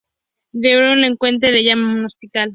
Dewey la encuentra y la lleva a un hospital.